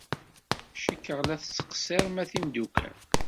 Cikkeɣ la tettqeṣṣirem a timeddukal.